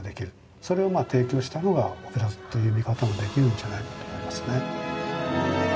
それを提供したのがオペラ座という見方もできるんじゃないかと思いますね。